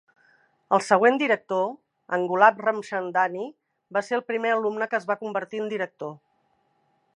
El següent director, en Gulab Ramchandani, va ser el primer alumne que es va convertir en director.